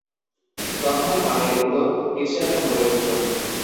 তখনই কানের ভেতর কিছু একটা নড়ে উঠল।